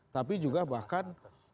tapi juga bahkan